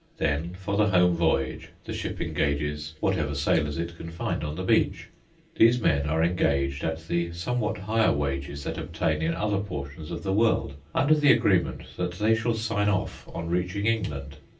Then, for the home voyage, the ship engages whatever sailors it can find on the beach. These men are engaged at the somewhat higher wages that obtain in other portions of the world, under the agreement that they shall sign off on reaching England.